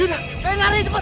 yaudah kalian lari cepet